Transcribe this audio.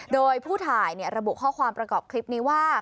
โดยผู้ถ่ายระบุข้อความประกอบคลิปนี้ว่า